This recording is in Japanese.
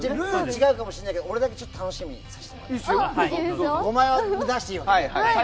違うかもしれないけど俺だけ楽しみにさせてもらって。